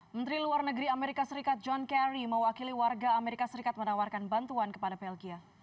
menteri luar negeri amerika serikat john kerry mewakili warga amerika serikat menawarkan bantuan kepada belgia